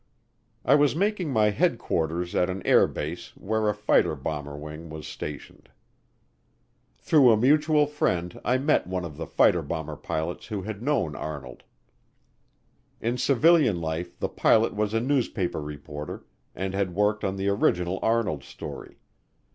I was making my headquarters at an air base where a fighter bomber wing was stationed. Through a mutual friend I met one of the fighter bomber pilots who had known Arnold. In civilian life the pilot was a newspaper reporter and had worked on the original Arnold story.